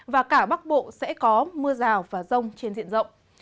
và cả bắc bộ sẽ có mưa rào và rông trên diện rộng